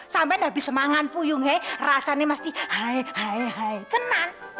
sampai habis semangat puyung he rasanya mesti hai hai hai tenang